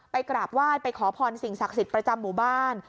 กราบไหว้ไปขอพรสิ่งศักดิ์สิทธิ์ประจำหมู่บ้าน